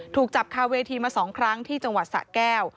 ถูกจับคาเวทีมา๒ครั้งที่จังหวัดสะแก้ว